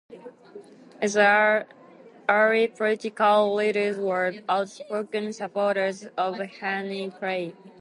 Its early political leaders were outspoken supporters of Henry Clay.